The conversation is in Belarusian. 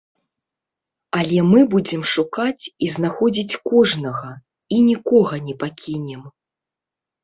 Але мы будзем шукаць і знаходзіць кожнага і нікога не пакінем.